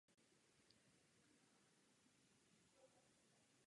A rovněž bych rád poděkoval panu Barrosovi.